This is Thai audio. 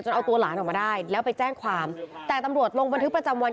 เอาตัวหลานออกมาได้แล้วไปแจ้งความแต่ตำรวจลงบันทึกประจำวัน